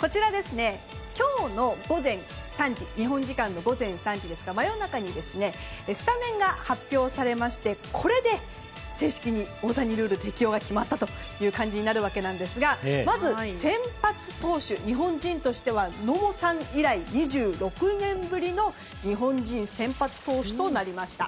こちら、今日の日本時間午前３時真夜中にスタメンが発表されましてこれで正式に大谷ルール適用が決まったという感じになるわけですがまず先発投手、日本人としては野茂さん以来、２６年ぶりの日本人先発投手となりました。